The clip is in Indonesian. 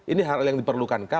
ini hal yang diperlukankah